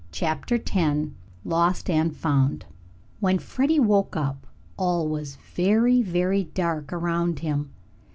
CHAPTER X LOST AND FOUND When Freddie woke up all was very, very dark around him.